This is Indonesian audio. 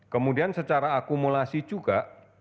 kemudian secara akumulasi juga